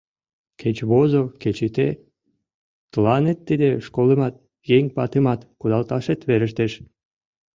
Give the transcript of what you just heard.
— Кеч возо, кеч ите, тыланет тиде школымат, еҥ ватымат кудалташет верештеш.